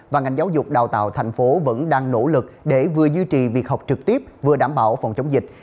và ngành giáo dục đào tạo thành phố vẫn đang nỗ lực để vừa duy trì việc học trực tiếp vừa đảm bảo phòng chống dịch